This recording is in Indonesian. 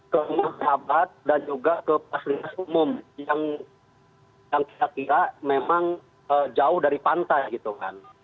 ke rumah kerabat dan juga ke fasilitas umum yang kita lihat memang jauh dari pantai gitu kan